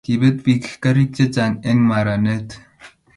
Kiipet pik karik che chang en maranet